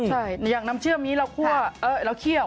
ใช่อย่างน้ำเชื่อมนี้เราเคี่ยว